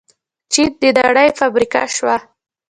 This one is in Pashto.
چین د نړۍ فابریکه شوه.